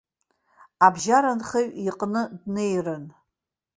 Абжьара-нхаҩ иҟны днеирын.